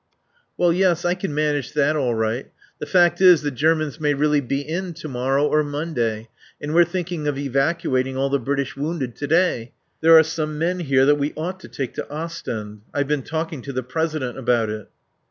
"Well yes, I can manage that all right. The fact is, the Germans may really be in to morrow or Monday, and we're thinking of evacuating all the British wounded to day. There are some men here that we ought to take to Ostend. I've been talking to the President about it."